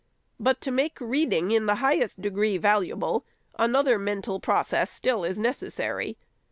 But to make reading in the highest degree valuable, another mental process still is necessary.